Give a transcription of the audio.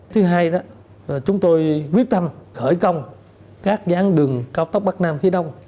thứ hai đó chúng tôi quyết tâm khởi công các giãn đường cao tốc bắc nam phía đông